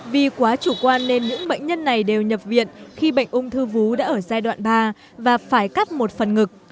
vì quá chủ quan nên những bệnh nhân này đều nhập viện khi bệnh ung thư vú đã ở giai đoạn ba và phải cắt một phần ngực